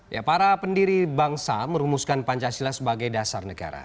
ya para pendiri bangsa merumuskan pancasila sebagai dasar negara